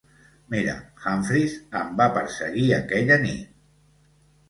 Mira, Humphreys em va perseguir aquella nit.